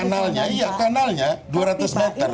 kanalnya iya kanalnya dua ratus meter